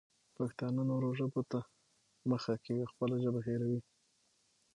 پښتانه نورو ژبو ته مخه کوي او خپله ژبه هېروي.